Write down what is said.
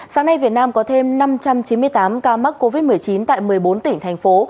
sáng nay việt nam có thêm năm trăm chín mươi tám ca mắc covid một mươi chín tại một mươi bốn tỉnh thành phố